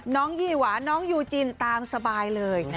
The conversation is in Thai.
ยี่หวาน้องยูจินตามสบายเลย